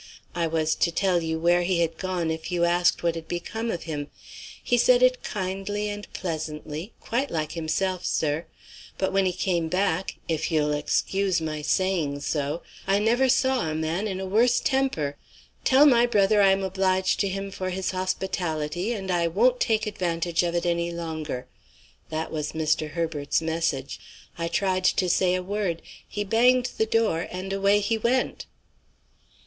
I was to tell you where he had gone if you asked what had become of him. He said it kindly and pleasantly quite like himself, sir. But, when he came back if you'll excuse my saying so I never saw a man in a worse temper. 'Tell my brother I am obliged to him for his hospitality, and I won't take advantage of it any longer.' That was Mr. Herbert's message. I tried to say a word. He banged the door, and away he went."